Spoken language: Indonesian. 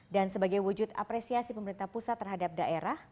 dan sebagai wujud apresiasi pemerintah pusat terhadap daerah